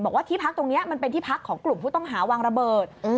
บอกว่าที่พักตรงนี้มันเป็นที่พักของกลุ่มผู้ต้องหาวางระเบิด